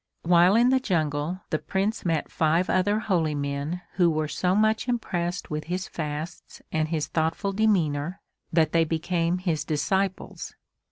While in the jungle the Prince met five other holy men who were so much impressed with his fasts and his thoughtful demeanor that they became his disciples.